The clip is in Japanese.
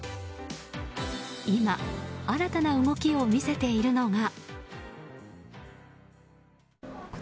今、新たな動きを見せているのが。